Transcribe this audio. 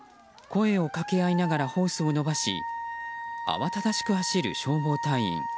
声をかけ合いながらホースを伸ばし慌ただしく走る消防隊員。